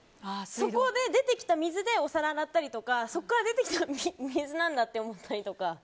そこで出てきた水でお皿を洗ったりとかそこから出てきた水なんだって思ったりとか。